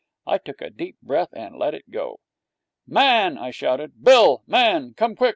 I took a deep breath and let it go. 'Man!' I shouted. 'Bill! Man! Come quick!